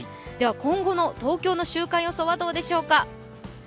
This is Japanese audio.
今後の東京の週間予想はどうでしょうか。